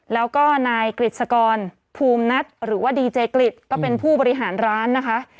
แล้วก็นายกฤษกรภูมินัทหรือว่าดีเจกริจก็เป็นผู้บริหารร้านนะคะ